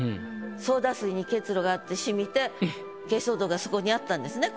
ソーダ水に結露があって染みて珪藻土がそこにあったんですね